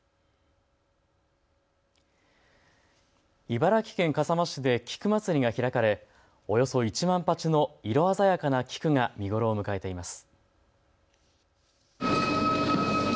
茨城県笠間市で菊まつりが開かれおよそ１万鉢の色鮮やかな菊が見頃を迎えています。